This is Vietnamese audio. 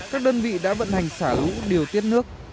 các đơn vị đã vận hành xả lũ điều tiết nước